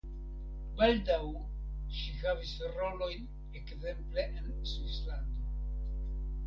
Baldaŭ ŝi havis rolojn ekzemple en Svislando.